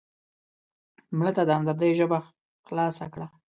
مړه ته د همدردۍ ژبه خلاصه کړه